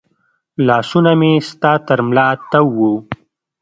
لاسونه مې ستا تر ملا تاو و